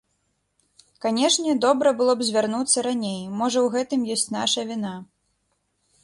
Канешне, добра было б звярнуцца раней, можа ў гэтым ёсць наша віна.